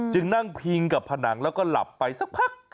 นั่งพิงกับผนังแล้วก็หลับไปสักพัก